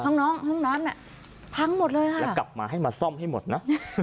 น้องห้องน้ำน่ะพังหมดเลยค่ะแล้วกลับมาให้มาซ่อมให้หมดนะ